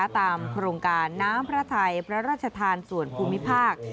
ตามโครงการน้ำพระไทยพระราชทานส่วนภูมิภาค